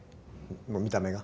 もう見た目が。